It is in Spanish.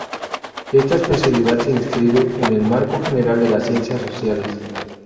Esta especialidad se inscribe en el marco general de las ciencias sociales.